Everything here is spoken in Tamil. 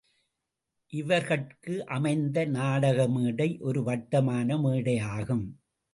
இவர்கட்கு அமைந்த நாடகமேடை ஒரு வட்டமான மேடையாகும்.